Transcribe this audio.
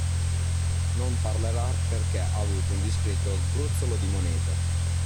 Non parlerà perché ha avuto un discreto gruzzolo di monete.